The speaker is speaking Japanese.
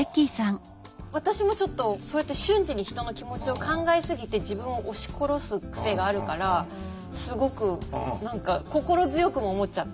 私もちょっとそうやって瞬時に人の気持ちを考えすぎて自分を押し殺す癖があるからすごく何か心強くも思っちゃった。